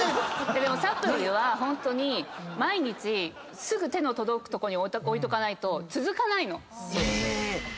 でもサプリはホントに毎日すぐ手の届くとこに置いとかないと続かないの。え。